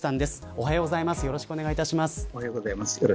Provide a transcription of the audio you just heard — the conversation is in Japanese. おはようございます。